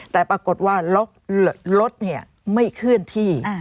แต่ปรากฏว่ารถไม่เคลื่อนที่